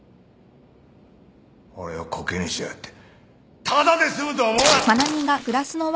俺をこけにしやがってただで済むと思うな。